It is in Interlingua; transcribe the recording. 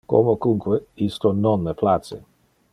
Comocunque, isto non me place.